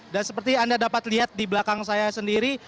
dan seperti anda dapat lihat di belakang saya sendiri